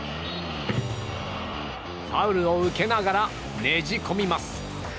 ファウルを受けながらねじ込みます。